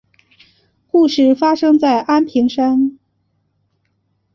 故事发生在安平山。